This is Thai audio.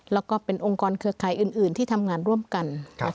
แล้วก็เป็นองค์กรเครือข่ายอื่นที่ทำงานร่วมกัน